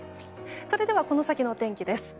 それではこの先のお天気です。